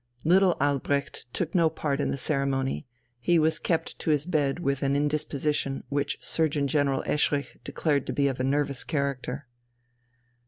Little Albrecht took no part in the ceremony; he was kept to his bed with an indisposition which Surgeon General Eschrich declared to be of a nervous character.